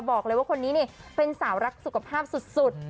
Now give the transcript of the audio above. บอกเลยว่าคนนี้เนี่ยเป็นสาวรักสุขภาพสุด